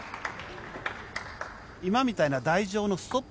今みたいな台上のストップ。